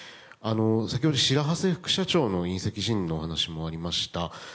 先ほど、白波瀬副社長の引責辞任のお話がありました。